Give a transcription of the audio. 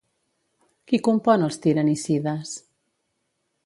Qui compon els Tiranicides?